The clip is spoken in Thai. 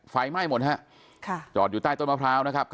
ไฟไหม้หมดฮะจอดอยู่ใต้ต้นมะพร้าวนะครับ